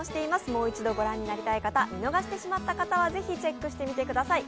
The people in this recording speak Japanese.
もう一度御覧になりたい方、見逃してしまった方は、ぜひチェックしてみてください。